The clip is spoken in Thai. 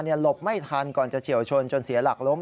หลบไม่ทันก่อนจะเฉียวชนจนเสียหลักล้ม